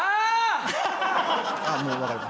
もう分かります。